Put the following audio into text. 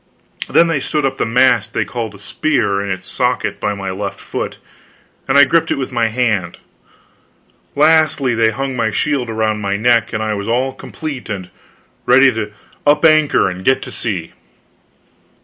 Then they stood up the mast they called a spear, in its socket by my left foot, and I gripped it with my hand; lastly they hung my shield around my neck, and I was all complete and ready to up anchor and get to sea.